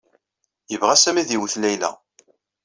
Yebɣa Sami ad yewwet Layla.